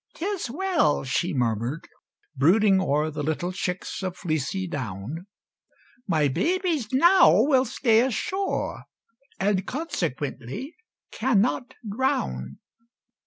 "'Tis well," she murmured, brooding o'er The little chicks of fleecy down, "My babies now will stay ashore, And, consequently, cannot drown!"